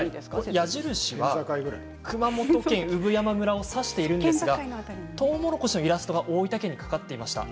矢印は熊本県産山村を指しているんですがとうもろこしのイラストが大分県にかかっていました。